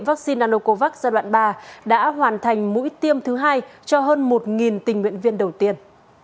vắc xin anocovac gia đoạn ba đã hoàn thành mũi tiêm thứ hai cho hơn một tình nguyện viên đầu tiên